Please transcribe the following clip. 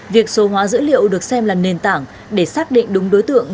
việc số hóa dữ liệu được xem là nền tảng để xác định đúng đối tượng